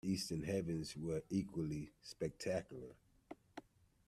The eastern heavens were equally spectacular.